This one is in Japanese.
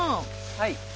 はい。